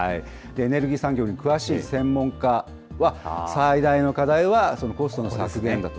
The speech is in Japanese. エネルギー産業に詳しい専門家は、最大の課題はコストの削減だと。